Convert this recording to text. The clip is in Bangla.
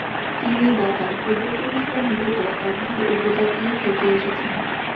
তিনি বা তার পূর্বপুরুষরা মূলত আবহার উপজাতি থেকে এসেছেন।